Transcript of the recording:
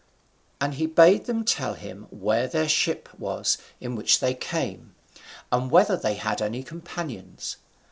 And he bade them tell him where their ship was in which they came, and whether they had any companions.